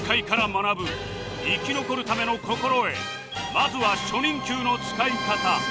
まずは初任給の使い方